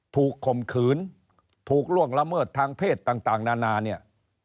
ข่มขืนถูกล่วงละเมิดทางเพศต่างนานาเนี่ย